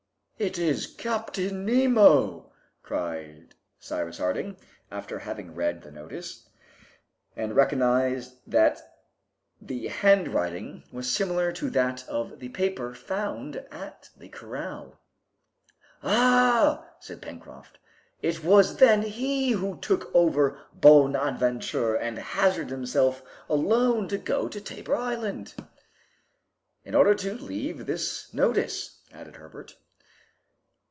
"It is Captain Nemo!" cried Cyrus Harding, after having read the notice, and recognized that the handwriting was similar to that of the paper found at the corral. "Ah!" said Pencroft, "it was then he who took our 'Bonadventure' and hazarded himself alone to go to Tabor Island!" "In order to leave this notice," added Herbert.